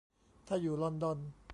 ถ้าอยู่ลอนดอน